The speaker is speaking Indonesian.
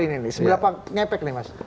ini nih seberapa ngepek nih mas